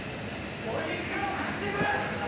俺に力を貸してくれ！